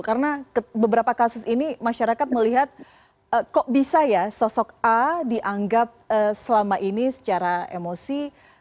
karena beberapa kasus ini masyarakat melihat kok bisa ya sosok a dianggap selama ini secara emosi